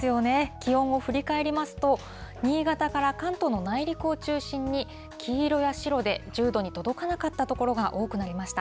気温を振り返りますと、新潟から関東の内陸を中心に、黄色や白で１０度に届かなかった所が多くなりました。